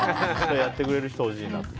やってくれる人ほしいなと。